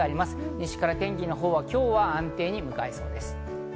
西から天気のほうは今日は安定に向かいそうです。